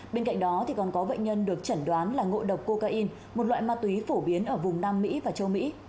bên cạnh đó còn có bệnh nhân được chẩn đoán là ngộ độc cocaine một loại ma túy phổ biến ở vùng nam mỹ và châu mỹ